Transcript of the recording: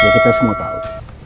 kita semua tahu